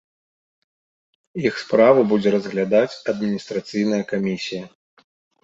Іх справу будзе разглядаць адміністрацыйная камісія.